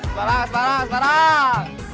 semarang semarang semarang